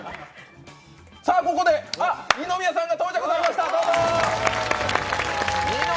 ここで二宮さんが到着されました、ニノ！